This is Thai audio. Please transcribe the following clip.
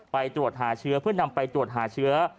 ไปตรวจหาเชื้อเพื่อนำไปตรวจหาเชื้อ